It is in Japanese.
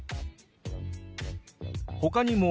ほかにも。